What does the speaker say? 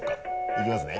いきますね。